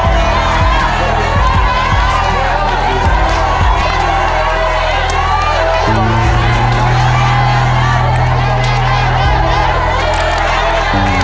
เวลาดีเวลาดีไปไปไปไป